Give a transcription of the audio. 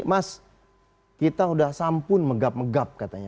mas kita sudah sampun menggap megap katanya